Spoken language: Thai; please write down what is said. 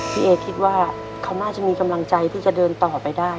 พี่เอคิดว่าเขาน่าจะมีกำลังใจที่จะเดินต่อไปได้